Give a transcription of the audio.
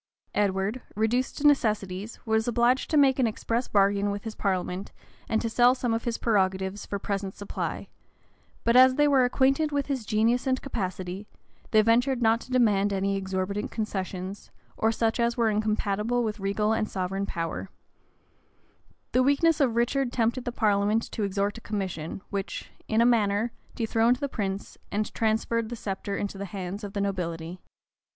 Edward, reduced to necessities, was obliged to make an express bargain with his parliament and to sell some of his prerogatives for present supply; but as they were acquainted with his genius and capacity, they ventured not to demand any exorbitant concessions, or such as were incompatible with regal and sovereign power: the weakness of Richard tempted the parliament to extort a commission, which, in a manner, dethroned the prince, and transferred the sceptre into the hands of the nobility.